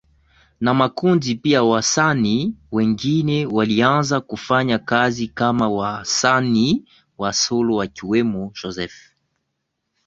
na makundi pia wasanii wengine walianza kufanya kazi kama wasanii wa solo wakiwemo Joseph